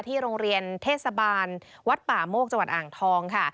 โรงเรียนเทศบาลวัดป่าโมกจังหวัดอ่างทองค่ะ